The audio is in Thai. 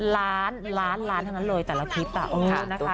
ล้านล้านล้านเท่านั้นเลยแต่ละคลิปอ่ะโอ้โหนะคะ